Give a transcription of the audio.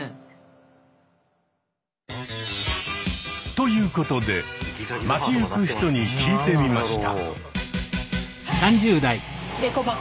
ということで街行く人に聞いてみました。